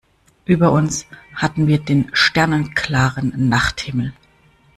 Über uns hatten wir den sternenklaren Nachthimmel.